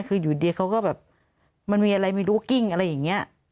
คืออยู่ดีเขาก็แบบมันมีอะไรไม่รู้กิ้งอะไรอย่างนี้